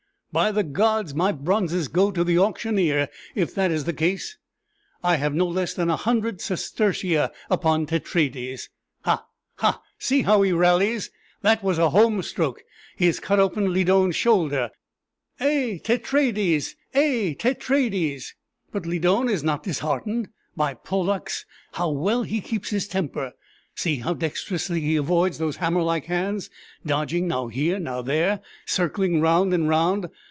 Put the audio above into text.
"By the gods! my bronzes go to the auctioneer if that is the case. I have no less than a hundred sestertia upon Tetraides. Ha, ha! see how he rallies! That was a home stroke: he has cut open Lydon's shoulder. A Tetraides! a Tetraides!" "But Lydon is not disheartened. By Pollux! how well he keeps his temper! See how dextrously he avoids those hammer like hands! dodging now here, now there circling round and round.